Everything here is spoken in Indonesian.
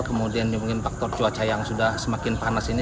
kemudian mungkin faktor cuaca yang sudah semakin panas ini